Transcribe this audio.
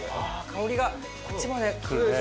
香りがこっちまで。